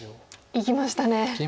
いきました。